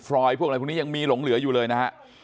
รอยพวกอะไรพวกนี้ยังมีหลงเหลืออยู่เลยนะฮะ